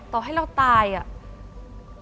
ต่อให้เราตายอ่ะ